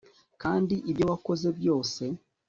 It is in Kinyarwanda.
kandi ibyo wakoze byose